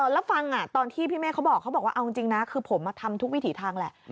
แล้วฟังอะตอนที่พี่เมฆเขาบอกผมทำทุกวิถีทางแหละ